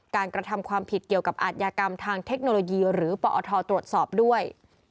กระทำความผิดเกี่ยวกับอาทยากรรมทางเทคโนโลยีหรือปอทตรวจสอบด้วย